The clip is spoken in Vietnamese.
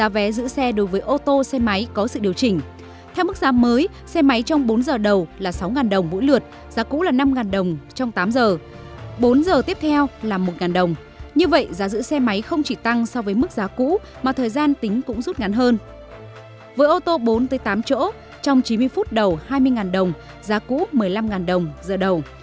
với ô tô bốn tới tám chỗ trong chín mươi phút đầu hai mươi đồng giá cũ một mươi năm đồng giờ đầu